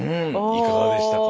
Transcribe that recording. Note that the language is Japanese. いかがでしたか？